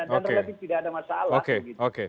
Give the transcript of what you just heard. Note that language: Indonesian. dan tidak ada masalah